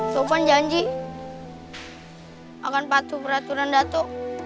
sopan janji akan patuh peraturan dato